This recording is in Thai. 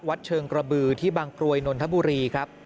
แม่เลยถามว่าเอา